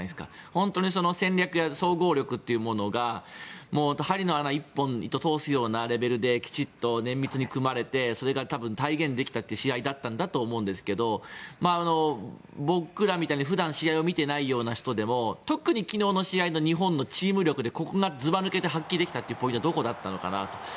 本当にその戦略や総合力というものが針の穴１本、糸を通すようなきちんと綿密に組まれてそれが体現で来たという試合だったと思うんですが僕らみたいに普段試合を見ていないような人でも特に昨日の試合の日本のチーム力でここがずば抜けて発揮できたポイントはどこだったのかなと。